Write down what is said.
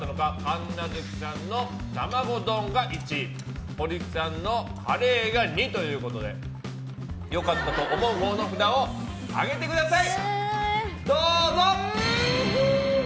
神奈月さんの玉子丼が１小力さんのカレーが２ということで良かったと思うほうの札を上げてください。